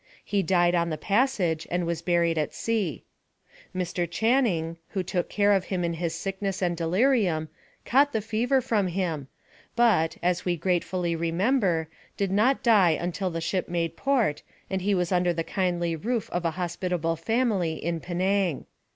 He died on the passage, and was buried at sea. Mr. Channing, who took care of him in his sickness and delirium, caught the fever from him, but, as we gratefully remember, did not die until the ship made port, and he was under the kindly roof of a hospitable family in Penang.